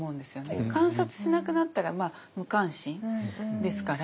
観察しなくなったら無関心ですから。